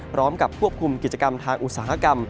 พร้อมกับควบคุมกิจกรรมทางอุตสาหกรรม